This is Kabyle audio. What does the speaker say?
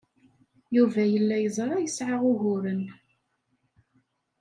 Yuba yella yeẓra yesɛa uguren.